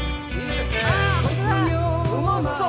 うまそう！